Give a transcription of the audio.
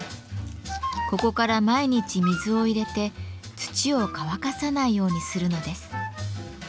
ここから毎日水を入れて土を乾かさないようにするのです。